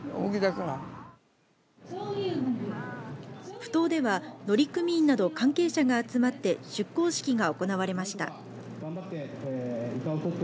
ふ頭では乗組員など関係者が集まって出港式が行われました。